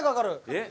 えっ。